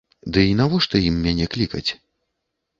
Ды і навошта ім мяне клікаць?